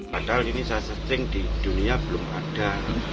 padahal ini saya searching di dunia belum ada